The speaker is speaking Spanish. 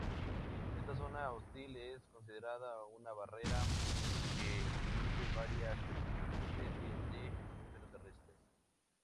Esta zona hostil es considerada una barrera que divide varias subespecies de mamíferos terrestres.